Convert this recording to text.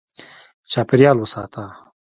چاپېریال وساته.